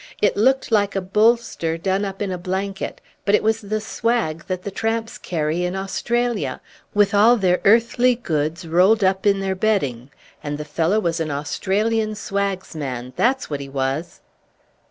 It looked like a bolster done up in a blanket; but it was the swag that the tramps carry in Australia, with all their earthly goods rolled up in their bedding; and the fellow was an Australian swagsman, that's what he was!"